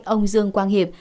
ông dương quang hiệp